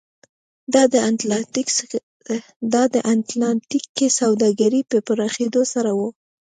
دا د اتلانتیک کې سوداګرۍ په پراخېدو سره و.